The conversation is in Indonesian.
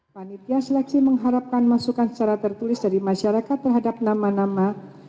panitia seleksi mengharapkan masukan secara tertulis dari masyarakat terhadap nama nama